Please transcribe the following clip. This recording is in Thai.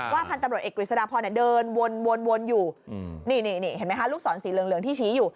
พันธุ์ตำรวจเอกกฤษฎาพรเดินวนอยู่นี่เห็นไหมคะลูกศรสีเหลืองที่ชี้อยู่